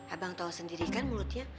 abang tahu sendiri kan mulutnya